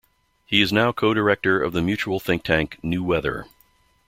He is now co-director of the mutual thinktank New Weather.